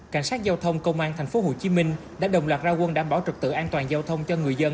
cảnh sát giao thông công an tp hcm đã đồng loạt ra quân đảm bảo trực tự an toàn giao thông cho người dân